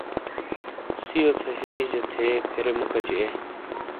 سیو تھی ہجیے تھے پھیرے مُوکچی اے۔